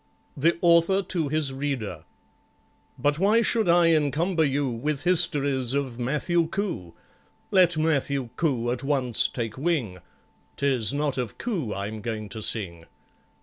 The Author to his Reader But why should I encumber you With histories of MATTHEW COO? Let MATTHEW COO at once take wing,— 'Tis not of COO I'm going to sing.